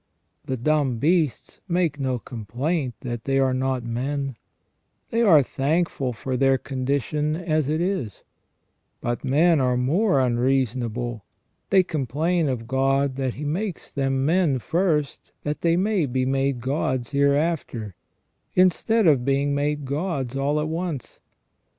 The dumb beasts make no complaint that they are not men, they are thankful for their condition as it is ; but men are more unreasonable, they complain of God that He makes them men first that they may be made gods hereafter, instead of being made gods all at once.